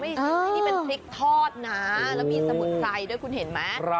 นี่เป็นพริกทอดนะแล้วมีสมุนไพรด้วยคุณเห็นไหม